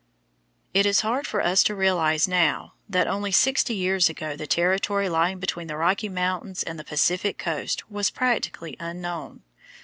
It is hard for us to realize, now, that only sixty years ago the territory lying between the Rocky Mountains and the Pacific coast was practically unknown.